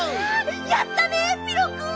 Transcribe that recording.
やったねピロくん！